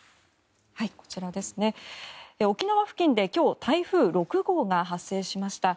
こちら、沖縄付近で今日、台風６号が発生しました。